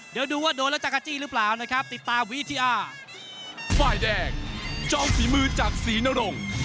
เดี๋ยวดูว่าโดนแล้วจักรจี้หรือเปล่านะครับติดตามวิทย์ทีอาร์